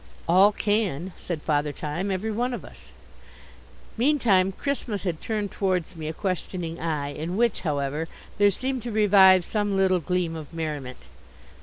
"All can," said Father Time, "every one of us." Meantime Christmas had turned towards me a questioning eye, in which, however, there seemed to revive some little gleam of merriment.